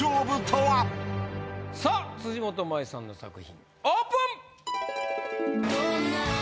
さぁ辻元舞さんの作品オープン！